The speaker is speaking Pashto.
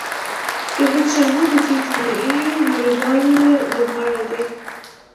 روهیت شرما د ټي ټوئنټي نړۍوال لوبغاړی دئ.